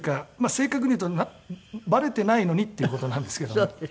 正確に言うとバレてないのにっていう事なんですけども。